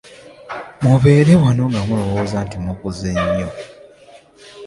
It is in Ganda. Mubeera wano nga mulowooza nti mukuze nnyo.